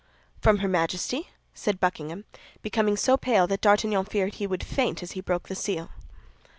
"From her Majesty!" said Buckingham, becoming so pale that D'Artagnan feared he would faint as he broke the seal.